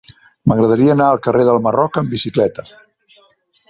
M'agradaria anar al carrer del Marroc amb bicicleta.